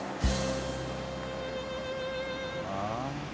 ああ。